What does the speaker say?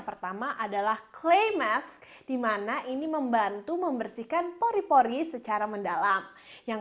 pertama adalah clay mask dimana ini membantu membersihkan pori pori secara mendalam yang